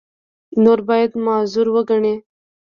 نور باید معذور وګڼي.